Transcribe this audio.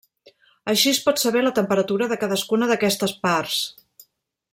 Així es pot saber la temperatura de cadascuna d'aquestes parts.